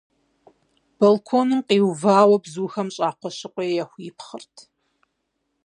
Балконым къиувауэ бзухэм щӏакхъуэ щыкъуей яхуипхъырт.